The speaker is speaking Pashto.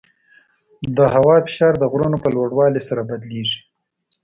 د هوا فشار د غرونو په لوړوالي سره بدلېږي.